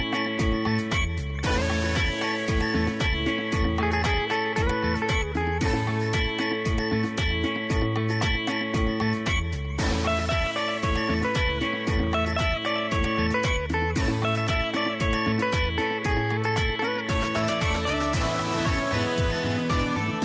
โปรดติดตามตอนต่อไป